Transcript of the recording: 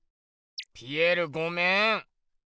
ピエールごめん。